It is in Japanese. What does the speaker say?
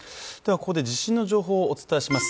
ここで地震の情報をお伝えします。